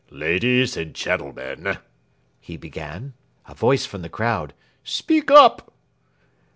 "Ladies and gentlemen," he began. (A voice from the crowd: "Speak up!")